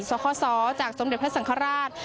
ซ้อข้อซ้อจากสมเด็จพระสังฆราช